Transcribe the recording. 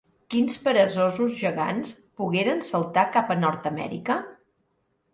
Quins peresosos gegants pogueren saltar cap a Nord-amèrica?